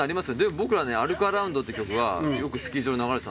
僕ら『アルクアラウンド』って曲がよくスキー場で流れてた。